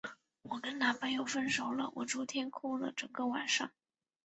我跟男朋友分手了，我昨天哭了整个晚上。